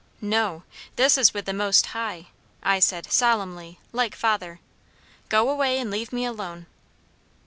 "No, this is with the Most High," I said solemnly, like father. "Go away and leave me alone."